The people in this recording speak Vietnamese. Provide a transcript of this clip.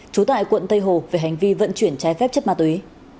trú tại quận tây hồ về hành vi vận chuyển trái phép chất ma túy